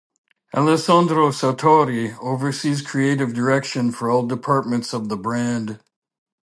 Alessandro Sartori oversees creative direction for all departments of the brand.